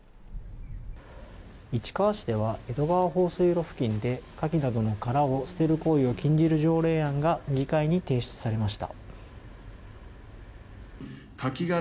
市川市では江戸川放水路付近でカキなどの殻を捨てる行為を禁じる条例案が議会に提出されました。